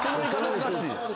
おかしい。